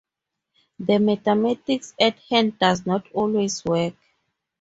The mathematics at hand does not always work.